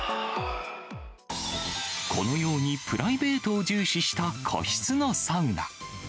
このようにプライベートを重視した個室のサウナ。